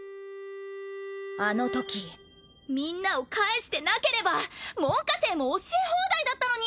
あのときみんなを帰してなければ門下生も教え放題だったのに！